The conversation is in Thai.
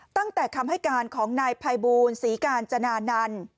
ตั้งแต่คำให้การของนายภัยบูลศรีกาญจนานันต์